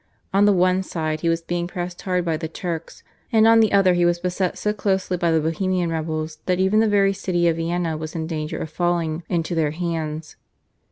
On the one side he was being pressed hard by the Turks, and on the other he was beset so closely by the Bohemian rebels that even the very city of Vienna was in danger of falling into their hands.